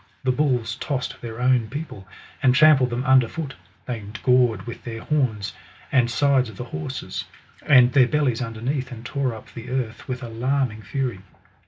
The bulls tossed their own people, and trampled them under foot ; they gored with their horns the sides of the horses, and their bellies underneath, and tore up the earth with alarming fury.